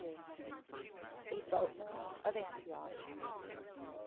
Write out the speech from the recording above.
A BOATMAN OF ANTIOCH.